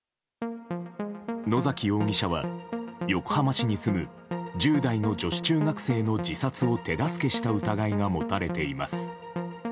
野崎容疑者は、横浜市に住む１０代の女子中学生の自殺を手助けした疑いが持たれています。